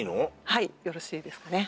はいよろしいですかね